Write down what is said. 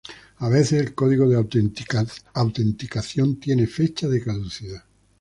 A veces, el código de autenticación tiene fecha de caducidad.